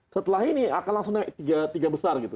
setelah ini akan langsung naik tiga besar gitu